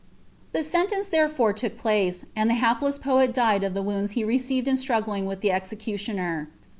' Th« sentence therefore tuok place, and the hapless poet ilietl of the vvnnds he received in struggling with the executioner.'